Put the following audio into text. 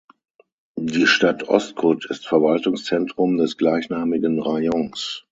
Die Stadt Ust-Kut ist Verwaltungszentrum des gleichnamigen Rajons.